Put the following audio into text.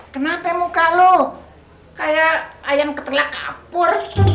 kenapa muka lo kayak ayam ketelak kapur